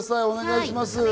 お願いします。